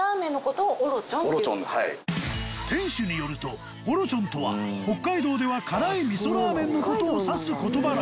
店主によるとオロチョンとは北海道では辛い味噌ラーメンの事を指す言葉らしい